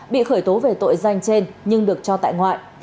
bị khởi tố về tội danh trên nhưng được cho tại ngoại